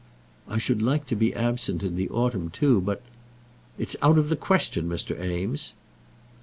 "I should like to be absent in the autumn too, but " "It's out of the question, Mr. Eames."